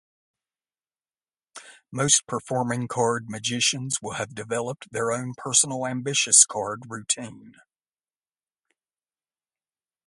Most performing card magicians will have developed their own personal Ambitious Card routine.